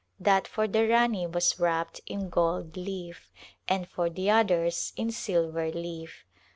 That for the Rani was wrapped in gold leaf and for the others in silver leaf.